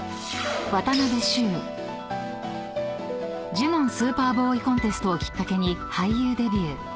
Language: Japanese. ［ジュノン・スーパーボーイ・コンテストをきっかけに俳優デビュー］